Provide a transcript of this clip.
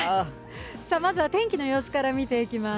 まずは天気の様子から見ていきます。